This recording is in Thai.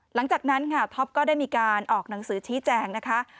หลังจากนั้นค่ะท็อปก็ได้มีการออกหนังสือชี้แจงนะคะ